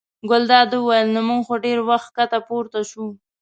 ګلداد وویل: نو موږ خو ډېر وخت ښکته پورته شوو.